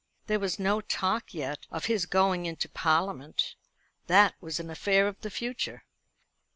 There was no talk yet of his going into Parliament. That was an affair of the future.